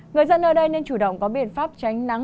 người dân ở đây nên chủ động có biện pháp tránh nắng